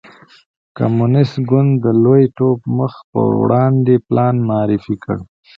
کمونېست ګوند د لوی ټوپ مخ په وړاندې پلان معرفي کړ.